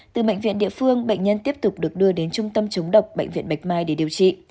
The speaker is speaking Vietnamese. từ bệnh viện địa phương bệnh nhân tiếp tục được đưa đến trung tâm chống độc bệnh viện bạch mai để điều trị